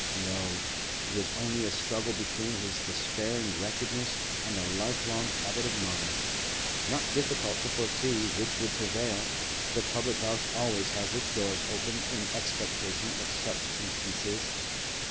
No; it was only a struggle between his despairing wretchedness and a lifelong habit of mind. Not difficult to foresee which would prevail; the public house always has its doors open in expectation of such instances.